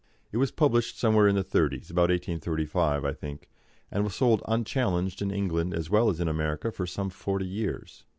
It was published somewhere in the Thirties about 1835, I think and was sold unchallenged in England as well as in America for some forty years.